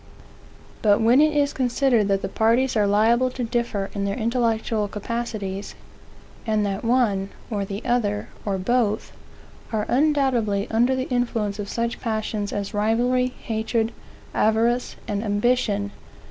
But when it is considered that the parties are liable to differ in their intellectual capacities, and that one, or the other, or both, are undoubtedly under the influence of such passions as rivalry, hatred, avarice, and ambition.